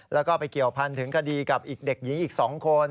แล้วก็ไปเกี่ยวพันถึงคดีกับอีกเด็กหญิงอีก๒คน